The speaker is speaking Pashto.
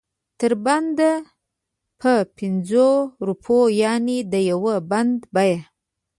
تر بنده په پنځو روپو یعنې د یو بند بیه.